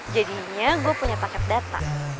jadinya gue punya paket data